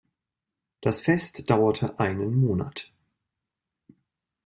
Das Fest dauerte einen Monat.